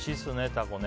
タコね。